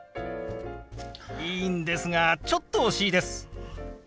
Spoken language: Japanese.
いいんですがちょっと惜しいです。